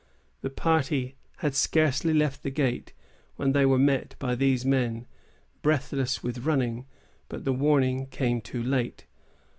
The party had scarcely left the gate when they were met by these men, breathless with running; but the warning came too late.